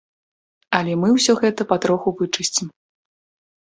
Але мы ўсё гэта патроху вычысцім.